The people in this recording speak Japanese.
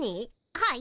はい。